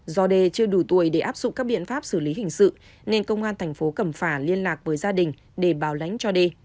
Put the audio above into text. do đê chưa đủ tuổi để áp dụng các biện pháp xử lý hình sự nên công an thành phố cẩm phả liên lạc với gia đình để bảo lãnh cho d